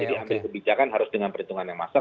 jadi ambil kebijakan harus dengan perhitungan yang masak